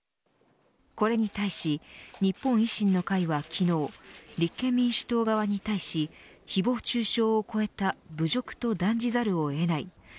これに対し日本維新の会は昨日立憲民主党側に対し誹謗中傷を超えた侮辱と断じざるを得ない。